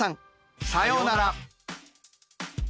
さようなら！